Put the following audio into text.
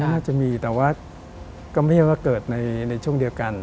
น่าจะมีแต่ว่าก็ไม่ใช่ว่าเกิดในช่วงเดียวกัน